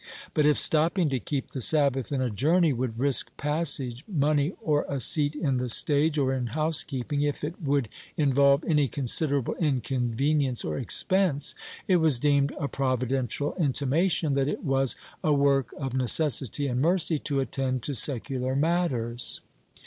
But if stopping to keep the Sabbath in a journey would risk passage money or a seat in the stage, or, in housekeeping, if it would involve any considerable inconvenience or expense, it was deemed a providential intimation that it was "a work of necessity and mercy" to attend to secular matters.